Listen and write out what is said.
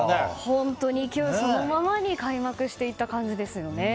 本当に勢いそのままに開幕していった感じですよね。